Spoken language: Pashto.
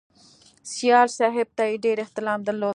سیال صاحب ته یې ډېر احترام درلود